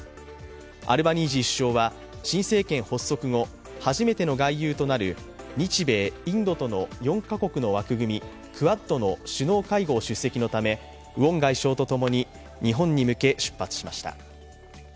アルバニージー首相は新政権発足後、初めての外遊となる日米、インドとの４カ国の枠組み、クアッドの首脳会合出席のためウォン外相と共に、日本に向け出発しました。